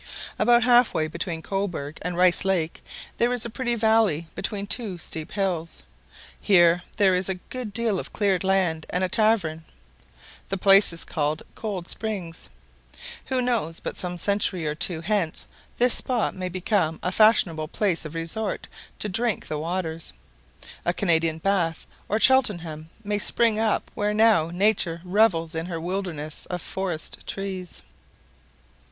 About halfway between Cobourg and the Rice Lake there is a pretty valley between two steep hills. Here there is a good deal of cleared land and a tavern: the place is called "Cold Springs." Who knows but some century or two hence this spot may become a fashionable place of resort to drink the waters. A Canadian Bath or Cheltenham may spring up where now Nature revels in her wilderness of forest trees.